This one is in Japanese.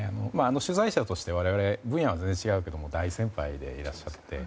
取材者として我々分野は違うけれども大先輩でいらっしゃって。